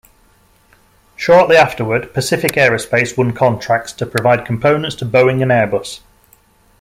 Shortly afterward, Pacific Aerospace won contracts to provide components to Boeing and Airbus.